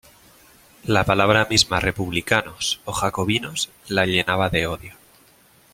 La palabra misma "Republicanos" o "Jacobinos" la llenaba de odio.